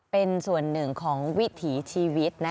เป็นส่วนหนึ่งของวิถีชีวิต